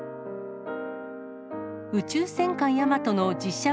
宇宙戦艦ヤマトの実写版